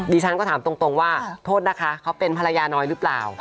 ดิฉันก็ถามตรงว่าทธ์นะคะเขาเป็นภรรยานอยได้ส์หรือเปล่า